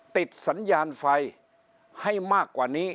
ติดสัญญาณไฟให้มากกว่านี้